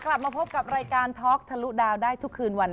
กลับมาพบกับรายการท็อกทะลุดาวได้ทุกคืนวัน